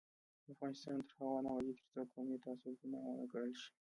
افغانستان تر هغو نه ابادیږي، ترڅو قومي تعصب ګناه ونه ګڼل شي.